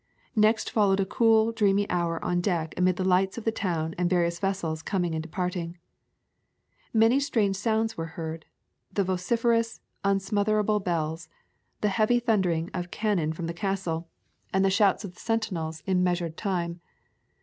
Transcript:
Next followed a cool, dreamy hour on deck amid the lights of the town and the various vessels coming and de parting. Many strange sounds were heard: the vo ciferous, unsmotherable bells, the heavy thun dering of cannon from the Castle, and the [ 152 } A Sojourn in Cuba shouts of the sentinels in measured time.